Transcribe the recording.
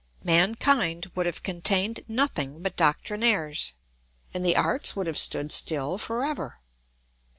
Mankind would have contained nothing but doctrinaires, and the arts would have stood still for ever.